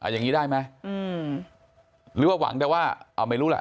อย่างนี้ได้ไหมหรือว่าหวังแต่ว่าเอาไม่รู้แหละ